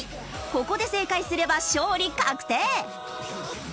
ここで正解すれば勝利確定。